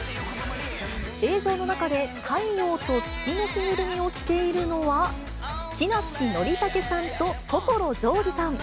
映像の中で、太陽と月の着ぐるみを着ているのは、木梨憲武さんと所ジョージさん。